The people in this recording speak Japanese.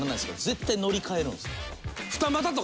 絶対乗りかえるんですか？